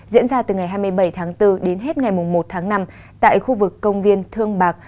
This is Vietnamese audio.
diễn ra từ ngày hai mươi bảy tháng bốn đến hết ngày một tháng năm tại khu vực công viên thương bạc